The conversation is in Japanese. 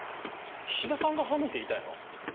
菱田さんが犯人って言いたいの？